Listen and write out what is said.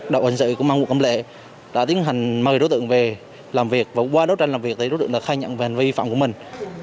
công an quận cầm lệ đã tiến hành mời đối tượng về làm việc và qua đấu tranh làm việc đối tượng đã khai nhận về hành vi vi phạm của mình